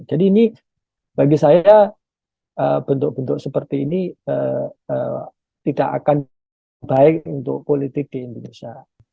jadi ini bagi saya bentuk bentuk seperti ini tidak akan baik untuk politik di indonesia